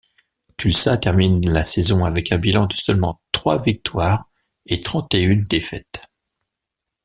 Tulsa termine la saison avec un bilan de seulement trois victoires et trente-et-une défaite.